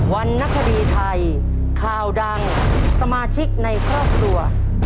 รณคดีไทยข่าวดังสมาชิกในครอบครัว